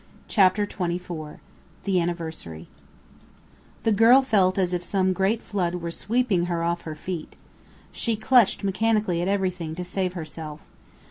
CHAPTER XXIV THE ANNIVERSARY The girl felt as if some great flood were sweeping her off her feet. She clutched mechanically at anything to save herself.